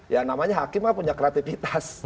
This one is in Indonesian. ya namanya hakim kan punya kreativitas